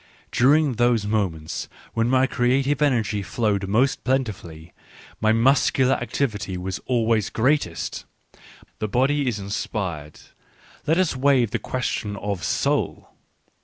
Du ring those moments when my creative energy flowedjnost plentifully, my musculaTlictivity was ad way§ greaiesL The bo dy is inspired : let us waive the question of " soul."